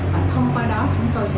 và thông qua đó chúng tôi sẽ